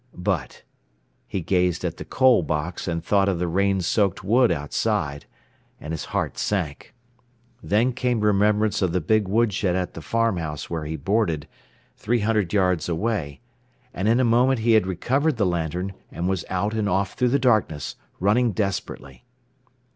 But he gazed at the coal box, and thought of the rain soaked wood outside, and his heart sank. Then came remembrance of the big woodshed at the farm house where he boarded, three hundred yards away, and in a moment he had recovered the lantern, and was out, and off through the darkness, running desperately.